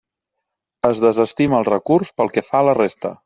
Es desestima el recurs pel que fa a la resta.